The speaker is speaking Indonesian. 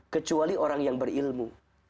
kecuali orang yang berilmu